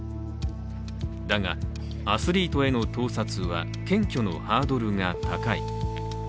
だが、アスリートへの盗撮は検挙のハードルが高い。